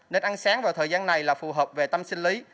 nên ăn sáng vào thời gian này là phù hợp về tâm sinh lý